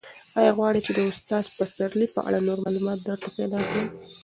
ایا غواړې چې د استاد پسرلي په اړه نور معلومات درته پیدا کړم؟